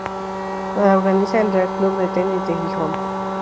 Lo organiza el Real Club de Tenis de Gijón.